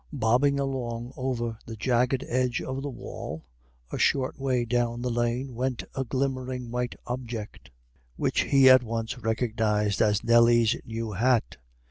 Bobbing along over the jagged edge of the wall, a short way down the lane went a gleaming white object, which he at once recognised as Nelly's new hat.